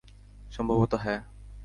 সম্ভবত, হ্যাঁ।